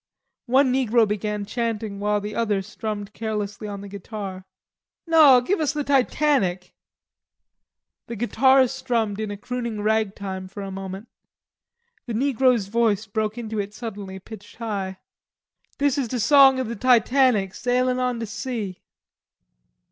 One negro began chanting while the other strummed carelessly on the guitar. "No, give us the 'Titanic.'" The guitar strummed in a crooning rag time for a moment. The negro's voice broke into it suddenly, pitched high. "Dis is de song ob de Titanic, Sailin' on de sea."